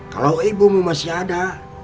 kalau ibumu masih ada